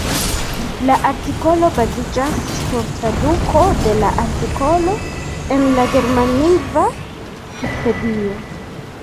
La artikolo baziĝas sur traduko de la artikolo en la germanlingva vikipedio.